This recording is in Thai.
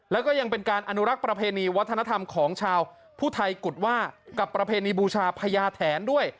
แล้วก็ยังเป็นการอนุรักษ์ประเพณีวัฒนธรรมของชาวผู้ไทยกุฎว่ากับประเพณีบูชาพญาแถนด้วย